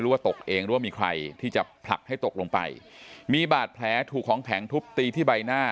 ว่าตกเองหรือว่ามีใครที่จะผลักให้ตกลงไปมีบาดแผลถูกของแข็งทุบตีที่ใบหน้า